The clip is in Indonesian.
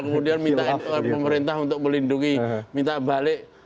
kemudian minta pemerintah untuk melindungi minta balik